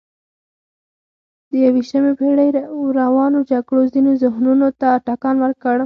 د یویشتمې پېړۍ روانو جګړو ځینو ذهنونو ته ټکان ورکړ.